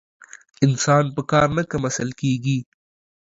انسان په کار نه کم اصل کېږي.